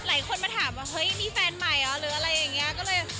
หลายคนมาถามว่ามีแฟนใหม่หรืออะไรอย่างนี้